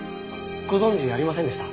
ご存じありませんでした？